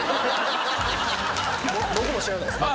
僕も知らないっすね。